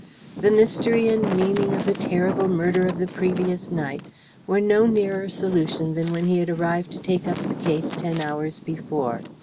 The mystery and meaning of the terrible murder of the previous night were no nearer solution than when he had arrived to take up the case, ten hours before.